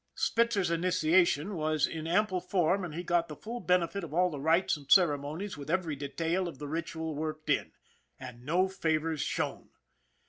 Spitzer's initiation was in ample form and he got the full benefit of all the rites and ceremonies with every detail of the ritual worked in and no favors shown.